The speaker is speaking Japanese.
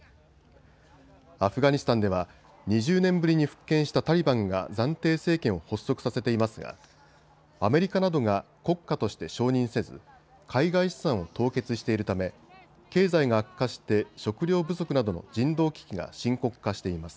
アフガニスタンでは２０年ぶりに復権したタリバンが暫定政権を発足させていますがアメリカなどが国家として承認せず海外資産を凍結しているため経済が悪化して食料不足などの人道危機が深刻化しています。